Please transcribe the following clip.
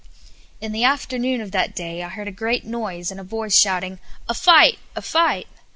In the afternoon of that day I heard a great noise, and a voice shouting, "A fight! a fight!"